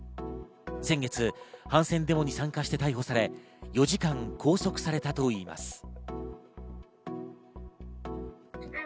先月、反戦デモに参加して逮捕され４時間拘束されたといいます。